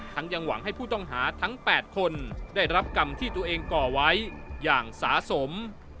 ยังหวังให้ผู้ต้องหาทั้ง๘คนได้รับกรรมที่ตัวเองก่อไว้อย่างสะสม